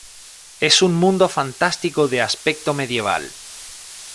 Es un mundo fantástico de aspecto medieval.